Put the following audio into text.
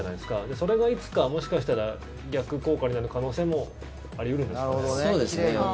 それがいつか、もしかしたら逆効果になる可能性もあり得るんですかね？